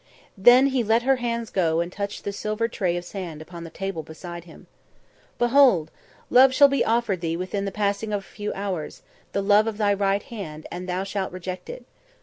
Then he let her hands go and touched the silver tray of sand upon the table beside him. "Behold! Love shall be offered thee within the passing of a few hours, the love of thy right hand, and thou shalt reject it.